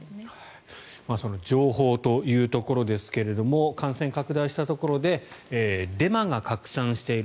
情報というところで感染拡大したところでデマが拡散している。